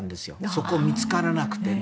そこが見つからなくて。